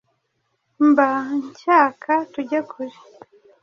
Mba nshyaka tujye kure